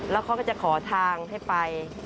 แล้วเขาก็จะขอทางให้ไป